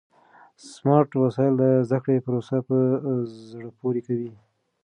سمارټ وسایل د زده کړې پروسه په زړه پورې کوي.